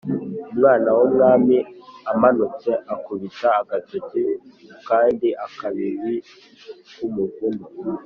umwana w'umwami amanutse akubita agatoki ku kandi-akababi k'umuvumu.